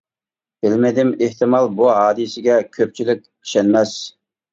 بىلمىدىم، ئېھتىمال بۇ ھادىسىگە كۆپچىلىك ئىشەنمەس.